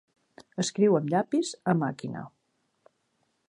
Escriu amb llapis, a màquina.